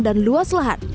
dan luas lahan